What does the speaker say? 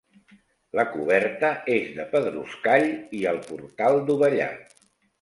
La coberta és de pedruscall i el portal dovellat.